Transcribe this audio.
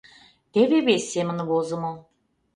Теве вес семын возымо: